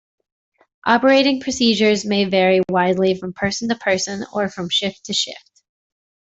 Operating procedures may vary widely from person-to-person or from shift-to-shift.